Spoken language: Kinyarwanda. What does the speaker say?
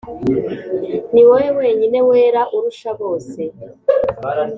Niwowe wenyine wera urusha bose